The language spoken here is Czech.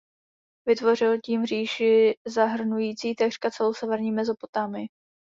Vytvořil tím říši zahrnující takřka celou severní Mezopotámii.